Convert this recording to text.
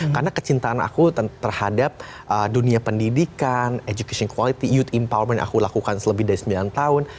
karena kecintaan aku terhadap dunia pendidikan education quality youth empowerment yang aku lakukan selama lebih dari sembilan tahun